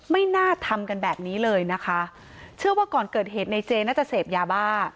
ไม่น่าทำกันแบบนี้เลยนะคะเชื่อว่าก่อนเกิดเหตุในเจน่าจะเสพยาบ้า